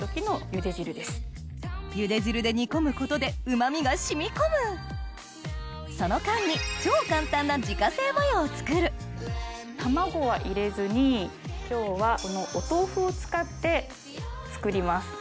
ゆで汁で煮込むことで旨味が染み込むその間にを作る卵は入れずに今日はこのお豆腐を使って作ります。